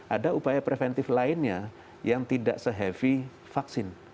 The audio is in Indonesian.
ada upaya preventif lainnya yang tidak se heavy vaksin